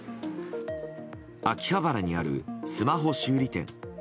秋葉原にあるスマホ修理店。